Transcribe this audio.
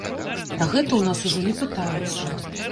Пра гэта ў нас ужо не пытаюцца.